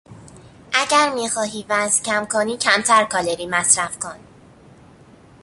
اگر میخواهی وزن کم کنی کمتر کالری مصرف کن.